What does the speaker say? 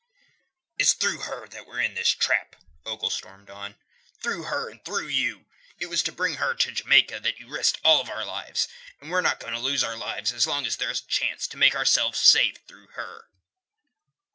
"It's through her that we're in this trap," Ogle stormed on. "Through her and through you. It was to bring her to Jamaica that you risked all our lives, and we're not going to lose our lives as long as there's a chance to make ourselves safe through her."